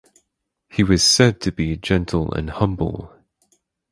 He was said to be gentle and humble.